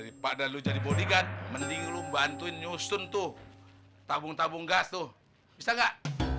daripada lu jadi bodikat mending lu bantuin nyusun tuh tabung tabung gas tuh bisa nggak